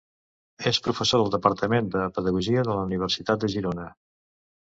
És professor del Departament de Pedagogia de la Universitat de Girona.